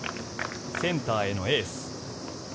センターへのエース。